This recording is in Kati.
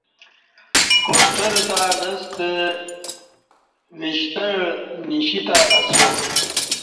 کوسٹر تہ لستہ وشتہعہ نیشی تہ اسیا